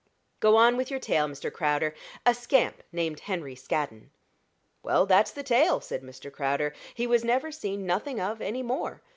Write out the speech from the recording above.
"Go on with your tale, Mr. Crowder a scamp named Henry Scaddon." "Well, that's the tale," said Mr. Crowder. "He was never seen nothing of anymore.